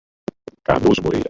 Cardoso Moreira